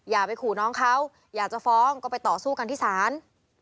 อย่าไปขู่น้องเขาอยากจะฟ้องก็ไปต่อสู้กันที่ศาล